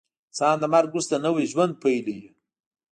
انسان له مرګ وروسته نوی ژوند پیلوي